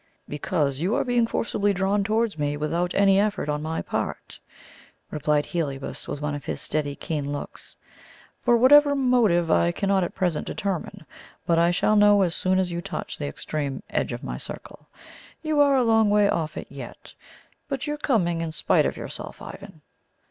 "Because you are being forcibly drawn towards me without any effort on my part," replied Heliobas, with one of his steady, keen looks. "For what motive I cannot at present determine; but I shall know as soon as you touch the extreme edge of my circle. You are a long way off it yet, but you are coming in spite of yourself, Ivan."